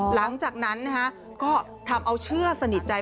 หลังจากนั้นก็ทำเอาเชื่อสนิทใจ